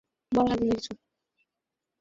তুণ্ড ভোঁতা।